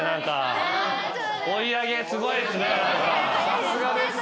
さすがです。